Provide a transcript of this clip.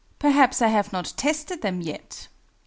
Perhaps I have not tested them yet.